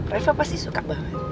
reva pasti suka banget